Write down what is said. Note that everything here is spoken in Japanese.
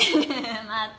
また。